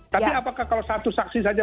tapi apakah kalau satu saksi saja